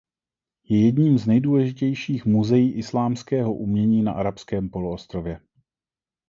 Je jedním z nejdůležitějších muzeí islámského umění na Arabském poloostrově.